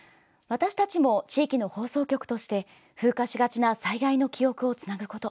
私たちも地域の放送局として風化しがちな災害の記憶をつなぐこと。